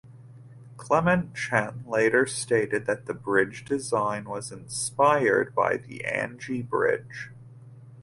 Clement Chen later stated the bridge design was inspired by the Anji Bridge.